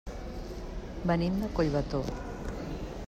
Venim de Collbató.